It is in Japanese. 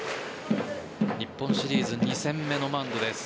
日本シリーズ２戦目のマウンドです。